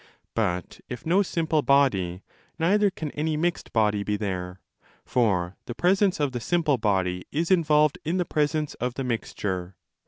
But, if no simple body, neither can any mixed body be there: for the presence of the simple body is involved in the presence of the mixture.